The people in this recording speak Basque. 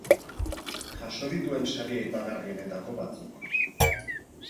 Jaso dituen sari aipagarrienetako batzuk.